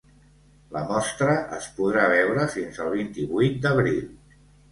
La mostra es podrà veure fins al vint-i-vuit d’abril.